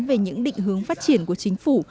về những định hướng phát triển của chính phủ